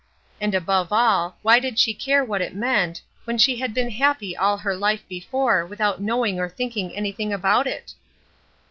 And, above all, why did she care what it meant, when she had been happy all her life before without knowing or thinking anything about it?